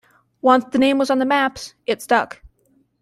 Once the name was on the maps it stuck.